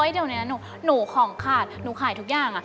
เดี๋ยวนี้หนูของขาดหนูขายทุกอย่าง